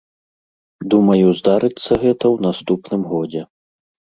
Думаю, здарыцца гэта ў наступным годзе.